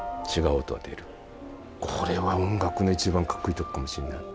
これは音楽の一番かっこいいとこかもしんない。